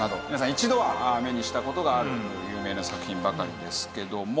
一度は目にした事がある有名な作品ばかりですけども。